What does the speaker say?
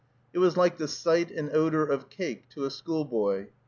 It was like the sight and odor of cake to a schoolboy.